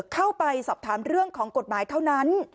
เข้าไปสอบถามเรื่องของกฎหมายเท่านั้น